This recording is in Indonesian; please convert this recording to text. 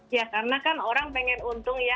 ya karena kan orang pengen untung ya